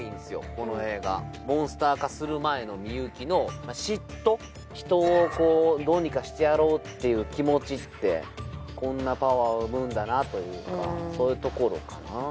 この映画モンスター化する前の美雪の嫉妬人をどうにかしてやろうっていう気持ちってこんなパワーを生むんだなというかそういうところかな